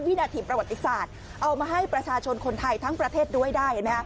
วินาทีประวัติศาสตร์เอามาให้ประชาชนคนไทยทั้งประเทศด้วยได้เห็นไหมฮะ